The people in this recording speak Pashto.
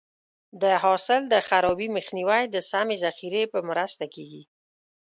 د حاصل د خرابي مخنیوی د سمې ذخیرې په مرسته کېږي.